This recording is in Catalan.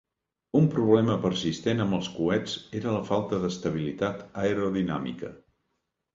Un problema persistent amb els coets era la falta d'estabilitat aerodinàmica.